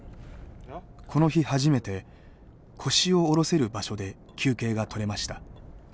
この日初めて腰を下ろせる場所で休憩が取れました。